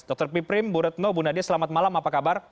dr piprim buratno bu nadia selamat malam apa kabar